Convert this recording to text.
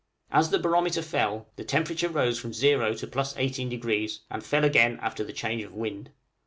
As the barometer fell, the temperature rose from zero to +18°, and fell again after the change of wind.